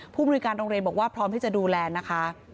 มนุยการโรงเรียนบอกว่าพร้อมที่จะดูแลนะคะ